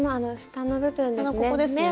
下のここですね？